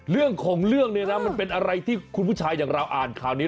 เรื่องของเรื่องเนี่ยนะมันเป็นอะไรที่คุณผู้ชายอย่างเราอ่านข่าวนี้